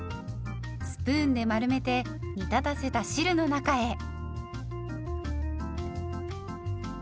スプーンで丸めて煮立たせた汁の中へ。